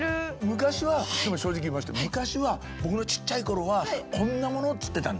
昔はでも正直言いまして昔は僕のちっちゃいころは「こんなもの」っつってたんですよ。